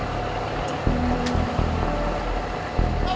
sebagian kedua emergency mode pemungkir